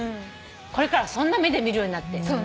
これからはそんな目で見るようになって。